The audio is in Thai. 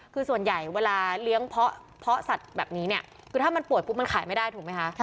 คือส่วนใหญ่เวลาเลี้ยงเพาะเพาะศัตริย์แบบนี้คือถ้ามันป่วยปุ๊บมันขายไม่ได้ถูกมั้ยค่ะ